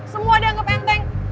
semua ada yang kepenteng